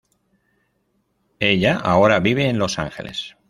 Ella ahora vive en Los Angeles.